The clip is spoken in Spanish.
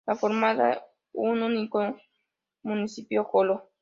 La formaba un único municipio: Joló.